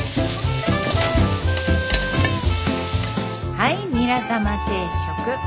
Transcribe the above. はいニラ玉定食。